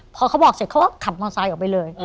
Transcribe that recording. พอเขาบอกเสร็จเขาก็ขับมอไซค์ออกไปเลย